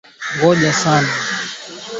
Ma ndizi, na ma avocat iko bei sana mu mvula